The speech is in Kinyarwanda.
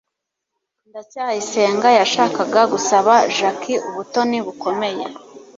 ndacyayisenga yashakaga gusaba jaki ubutoni bukomeye